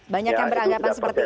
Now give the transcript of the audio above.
banyak yang beranggapan seperti itu